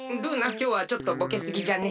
きょうはちょっとボケすぎじゃね。